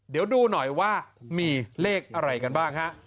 เดี๋ยวดูหน่อยว่ามีเลขอะไรกันบ้างฮะ